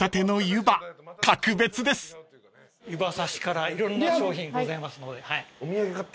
ゆば刺しからいろんな商品ございますので。